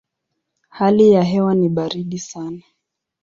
Hali ya hewa ni baridi sana.